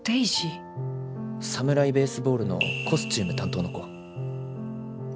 「サムライ・ベースボール」のコスチューム担当の子。